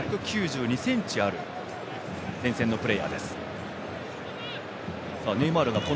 １９２ｃｍある前線のプレーヤーです。